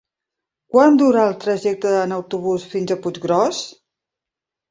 Quant dura el trajecte en autobús fins a Puiggròs?